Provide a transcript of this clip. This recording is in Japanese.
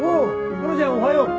トラちゃんおはよう。